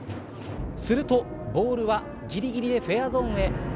するとボールはぎりぎりでフェアゾーンへ。